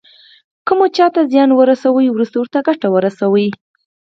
که مو چاته زیان ورساوه وروسته ورته ګټه ورسوئ.